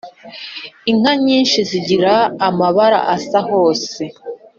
Inka nyinshi zigira amabara asa hose